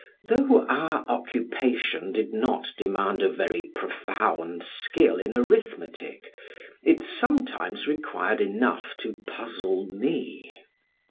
Though our occupation did not demand a very profound skill in arithmetic, it sometimes required enough to puzzle me.